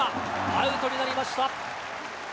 アウトになりました。